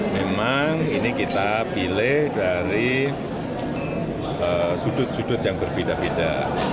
memang ini kita pilih dari sudut sudut yang berbeda beda